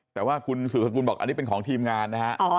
แต่ว่าคุณสื่อสกุลบอกอันนี้เป็นของทีมงานนะฮะ